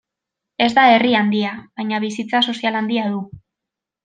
Ez da herri handia, baina bizitza sozial handia du.